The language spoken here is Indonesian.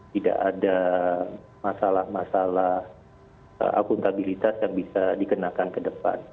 tidak ada masalah masalah akuntabilitas yang bisa dikenakan ke depan